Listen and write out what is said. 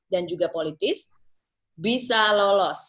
dan juga politis bisa lolos